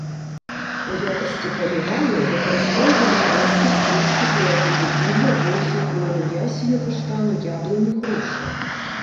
У якасці палівалі выкарыстоўвалі трэскі, стружкі, пілаванне дубу, вольхі, клёну, ясеню, каштану, яблыні, грушы.